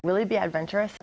anda akan menjadi penerima